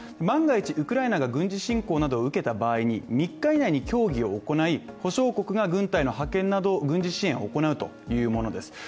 万が一ウクライナが軍事侵攻などを受けた場合に３日以内に協議を行い、保障国が軍事支援を行うというものです。